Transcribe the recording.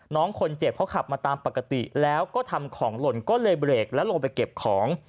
น้องคนเจ็บเขาขับมาตามปกติแล้วก็ทำของหล่นก็เลยเบรกแล้วลงไปเก็บของ